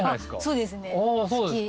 そうですね好き。